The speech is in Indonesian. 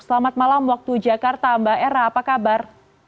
selamat malam waktu jakarta mbak era apa kabar